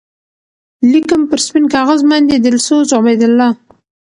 لیکم پر سپین کاغذ باندی دلسوز عبیدالله